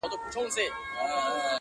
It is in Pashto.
زموږه دوو زړونه دي تل د محبت مخته وي,